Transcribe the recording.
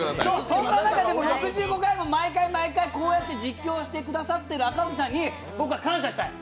そんな中でも６５回も毎回毎回実況してくださっている赤荻さんに僕は感謝したい！